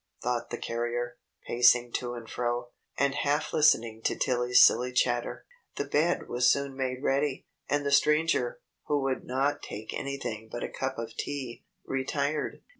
thought the carrier, pacing to and fro, and half listening to Tilly's silly chatter. The bed was soon made ready, and the Stranger, who would not take anything but a cup of tea, retired.